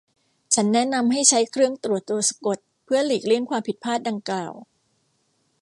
ฉันแนะนำให้ใช้เครื่องตรวจตัวสะกดเพื่อหลีกเลี่ยงความผิดพลาดดังกล่าว